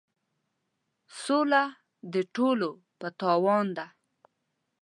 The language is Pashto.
سوله د ټولو په تاوان ده.